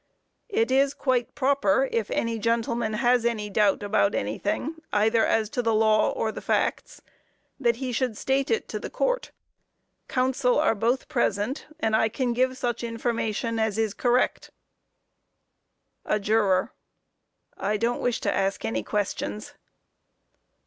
It is quite proper, if any gentleman has any doubt about anything, either as to the law or the facts, that he should state it to the Court. Counsel are both present, and I can give such information as is correct. A JUROR: I don't wish to ask any questions.